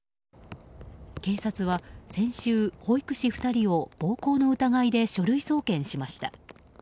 警察は先週、保育士２人を暴行の疑いで書類送検しました。